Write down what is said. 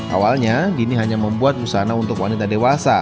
awalnya dini hanya membuat busana untuk wanita dewasa